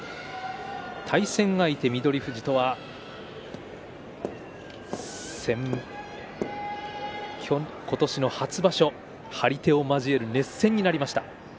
対戦相手、翠富士とは今年の初場所張り手を交えた熱戦になりました。